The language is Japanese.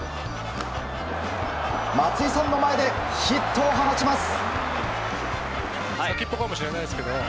松井さんの前でヒットを放ちます。